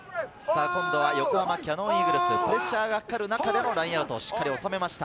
今度は横浜キヤノンイーグルス、プレッシャーがかかる中でのラインアウト、しっかり収めました。